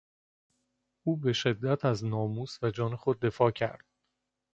او بشدت از ناموس و جان خود دفاع کرد.